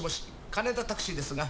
金田タクシーですが。